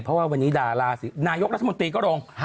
เพราะว่าวันนี้ดาราศรีนายกรัฐมนตรีก็ลง